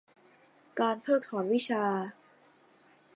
การเพิกถอนวิชา